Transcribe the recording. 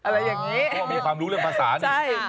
บอกว่ามีความรู้เรื่องภาษาเนี่ย